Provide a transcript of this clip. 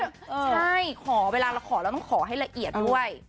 ใช่ขอเวลาเราขอเราต้องขอให้ละเอียดด้วย